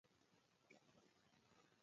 که له یوې خوا جګړه نیابتي ده.